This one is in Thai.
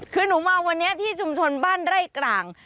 คือหนูมาวันนี้ที่ชุมชนบ้านไร่กลาง